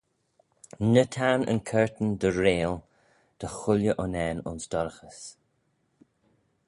Ny tayrn yn curtan dy reayl dy chooilley unnane ayns dorraghys.